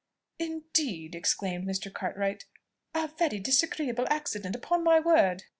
"Indeed!" exclaimed Mr. Cartwright, "a very disagreeable accident, upon my word."